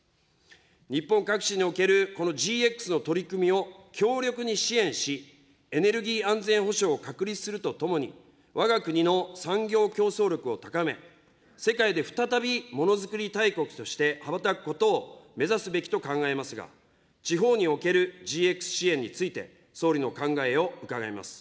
日本各地におけるこのＧＸの取り組みを強力に支援し、エネルギー安全保障を確立するとともに、わが国の産業競争力を高め、世界で再びものづくり大国として羽ばたくことを目指すべきと考えますが、地方におけるＧＸ支援について、総理の考えを伺います。